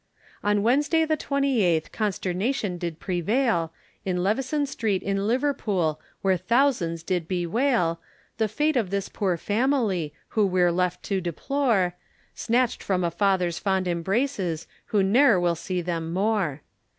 On Wednesday the 28th, consternation did prevail, In Leveson Street in Liverpool, where thousands did bewail, The fate of this poor family, who we're left to deplore, Snatched from a father's fond embraces, who ne'er will see them more.